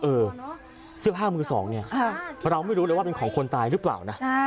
เออเสื้อผ้ามือสองเนี่ยเราไม่รู้เลยว่าเป็นของคนตายหรือเปล่านะ